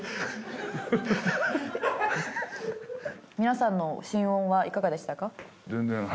皆さんの心音はいかがでしたか？